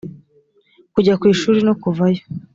kujya ku ishuri no kuvayo